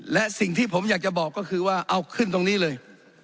และสิ่งที่ผมอยากจะบอกก็คือว่าเอาขึ้นตรงนี้เลย